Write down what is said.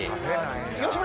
吉村